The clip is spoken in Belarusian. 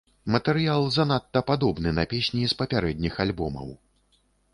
Матэрыял занадта падобны на песні з папярэдніх альбомаў.